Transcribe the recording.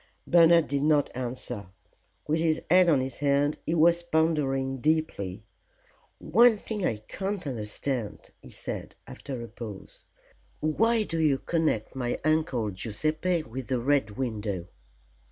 Bernard did not answer. With his head on his hand he was pondering deeply. "One thing I can't understand," he said, after a pause: "Why do you connect my Uncle Guiseppe with the Red Window?"